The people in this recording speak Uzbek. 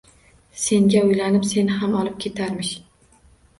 Senga uylanib, seni ham olib ketarmish